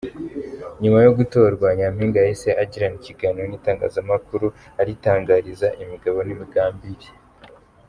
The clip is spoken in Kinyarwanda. Nyuma yo gutorwa, Nyampinga yahise agirana ikiganiro n'itangazamakuru aritangariza imigabo n'imigambi bye.